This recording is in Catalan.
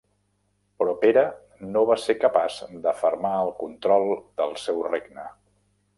Però Pere no va ser capaç d'afermar el control del seu regne.